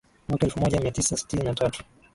mwaka elfu moja mia tisa sitini na tatu